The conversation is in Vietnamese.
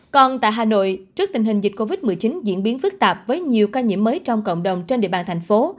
còn tại hà nội trước tình hình dịch covid một mươi chín diễn biến phức tạp với nhiều ca nhiễm mới trong cộng đồng trên địa bàn thành phố